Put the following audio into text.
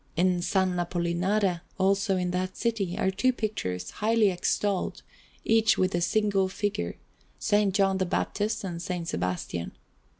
In S. Apollinare, also in that city, are two pictures, highly extolled, each with a single figure, S. John the Baptist and S. Sebastian.